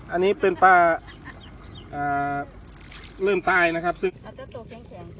อันนี้เป็นป้าอ่าเริ่มตายนะครับซึ่งอาจจะตัวแข็ง